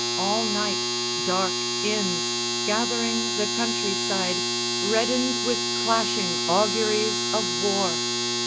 All night, dark inns, gathering the country side, Reddened with clashing auguries of war.